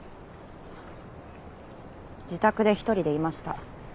自宅で一人でいました。